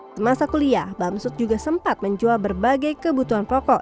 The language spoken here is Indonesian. semasa kuliah bamsud juga sempat menjual berbagai kebutuhan pokok